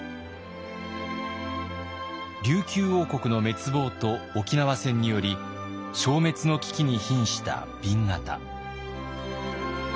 琉球王国の滅亡と沖縄戦により消滅の危機にひんした紅型。